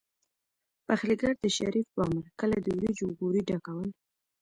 پخليګر د شريف په امر کله د وريجو غوري ډکول.